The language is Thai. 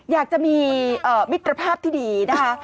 อยากจะมีมิตรภาพที่ดีนะคะ